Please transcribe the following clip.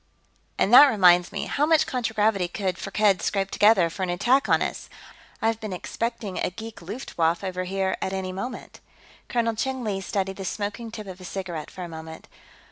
"And that reminds me how much contragravity could Firkked scrape together, for an attack on us? I've been expecting a geek Luftwaffe over here, at any moment." Colonel Cheng Li studied the smoking tip of his cigarette for a moment.